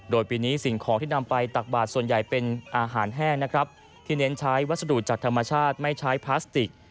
โดยปีนี้สิ่งของที่นำไปตักบาทส่วนใหญ่เป็นอาหารแห้งนะครับที่เน้นใช้วัสดุจากธรรมชาติไม่ใช้พลาสติก